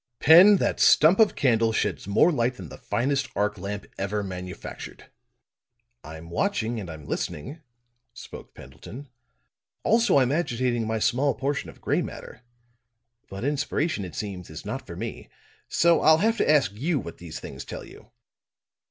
"Pen, that stump of candle sheds more light than the finest arc lamp ever manufactured." "I'm watching and I'm listening," spoke Pendleton. "Also I'm agitating my small portion of gray matter. But inspiration, it seems, is not for me. So I'll have to ask you what these things tell you."